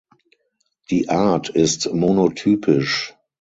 Die Art ist monotypisch.